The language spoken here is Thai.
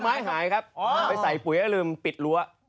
ผลไม้ปุ๋ยหายครับไปใส่ปุ๋ยก็ตีล้ว